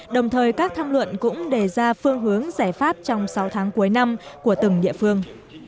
đồng thời các tham luận cũng đề ra phương hướng giải pháp trong sáu tháng cuối năm của từng địa phương